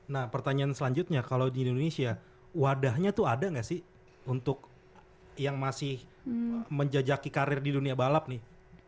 nah pertanyaan selanjutnya kalau di indonesia wadahnya tuh ada gak sih untuk yang masih menjajaki karir di dunia balap nih